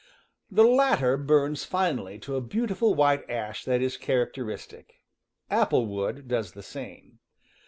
The latter burns finally to a beautiful white ash that is characteristic; apple wood does the same.